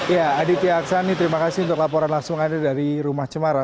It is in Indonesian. ya aditya aksani terima kasih untuk laporan langsung anda dari rumah cemara